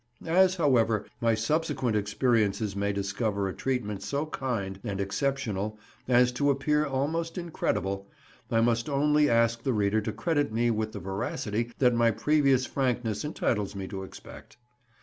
As, however, my subsequent experiences may discover a treatment so kind and exceptional as to appear almost incredible, I must only ask the reader to credit me with the veracity that my previous frankness entitles me to expect.